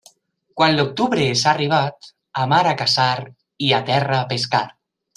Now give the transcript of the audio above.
Quan l'octubre és arribat, a mar a caçar i a terra a pescar.